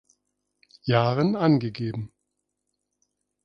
Jahren angegeben.